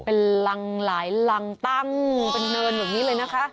เป็นรังหลายรังตั้งเป็นเนินแบบนี้เลยนะคะ